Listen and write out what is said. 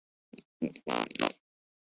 اور ہم ہیں۔